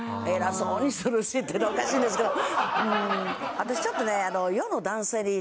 私ちょっとね。